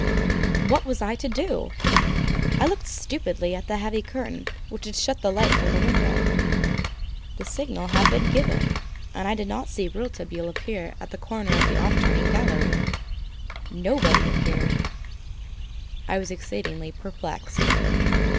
What was I to do? I looked stupidly at the heavy curtain which had shut the light from the window. The signal had been given, and I did not see Rouletabille appear at the corner of the off turning gallery. Nobody appeared. I was exceedingly perplexed.